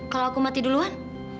kalau aku mati duluan